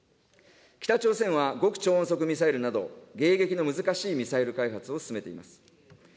北朝鮮は、極超音速ミサイルなど、迎撃の難しいミサイル開発を進めています。